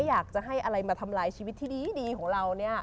อยากจะให้อะไรมาทำลายชีวิตที่ดีของเรา